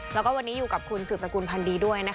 แล้วก็วันนี้อยู่กับคุณสืบสกุลพันธ์ดีด้วยนะคะ